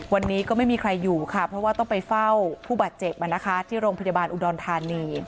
วันนี้ก็ไม่มีใครอยู่ค่ะเพราะว่าต้องไปเฝ้าผู้บาดเจ็บที่โรงพยาบาลอุดรธานี